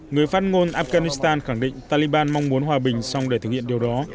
người phát ngôn afghanistan khẳng định taliban mong muốn hòa bình xong để thực hiện điều đó